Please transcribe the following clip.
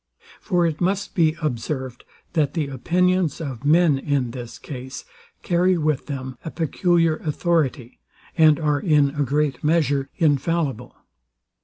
For it must be observed, that the opinions of men, in this case, carry with them a peculiar authority, and are, in a great measure, infallible.